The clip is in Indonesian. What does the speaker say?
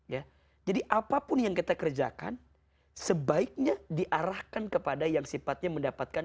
ya jadi apapun yang kita kerjakan sebaiknya diarahkan kepada yang sifatnya mendapatkan